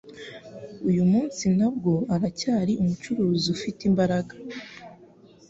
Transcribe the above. n'uyu munsi nabwo aracyari Umucunguzi ufite imbaraga.